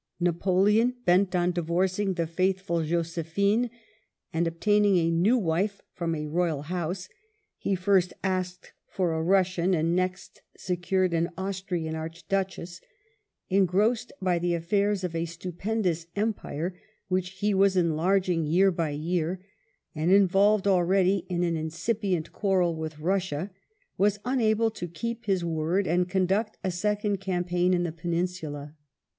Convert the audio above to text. Napoleon, bent on divorcing the faithful Josephine and obtaining a new wife from a royal house — he first asked for a Eussian and next secured an Austrian Archduchess, —engrossed by the affairs of a stupendous empire which he was enlarging year by year, and involved already in an incipient quarrel with Eussia, was unable to keep his word and conduct a second campaign in the Peninsula.